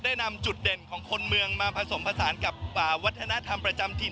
นำจุดเด่นของคนเมืองมาผสมผสานกับวัฒนธรรมประจำถิ่น